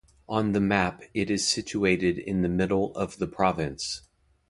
On the map it is situated in the middle of the province.